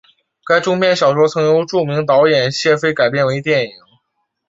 该中篇小说曾由著名导演谢飞改编为电影。